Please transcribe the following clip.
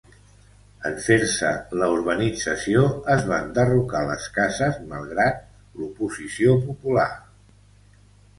En fer-se la urbanització es van derrocar les cases, malgrat l'oposició popular.